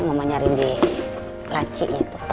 ini mama nyari di laci